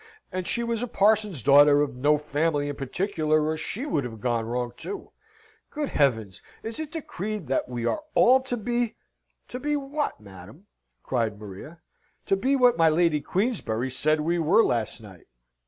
"And she was a parson's daughter of no family in particular, or she would have gone wrong, too. Good heavens! is it decreed that we are all to be...?" "To be what, madam?" cried Maria. "To be what my Lady Queensberry said we were last night.